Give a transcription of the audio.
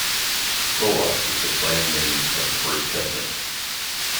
"Choa" is the clan name of the first headman.